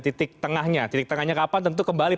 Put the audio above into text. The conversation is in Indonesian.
titik tengahnya titik tengahnya kapan tentu kembali